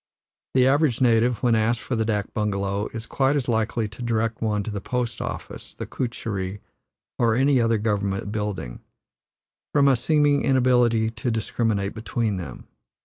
The average native, when asked for the dak bungalow, is quite as likely to direct one to the post office, the kutcherry, or any other government building, from a seeming inability to discriminate between them.